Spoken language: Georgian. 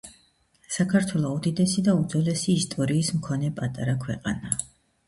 საქართველო უდიდესი და უძველესი ისტორიის მქონე პატარა ქვეყანაა.